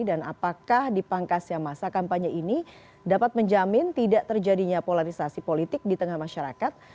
dan apakah dipangkasnya masa kampanye ini dapat menjamin tidak terjadinya polarisasi politik di tengah masyarakat